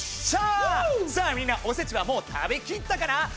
さあみんなおせちはもう食べきったかな？